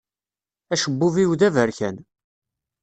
Acebbub-iw d aberkan.